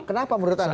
kenapa menurut anda